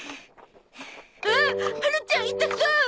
あっはるちゃん痛そう！